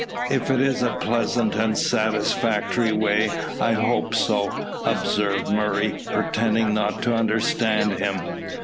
"If it is a pleasant and satisfactory way, I hope so," observed Murray, pretending not to understand him.